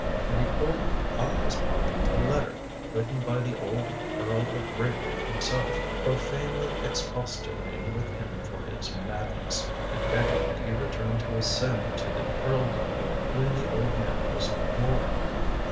And he pulled out of his pocket a letter written by the old Earl of Raybrook himself, profanely expostulating with him for his madness, and begging that he return to ascend to the earldom when the old man was no more.